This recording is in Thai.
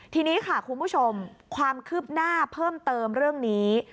ทีนี้ค่ะคุณผู้ชมความคืบหน้าเพิ่มเติมเรื่องนี้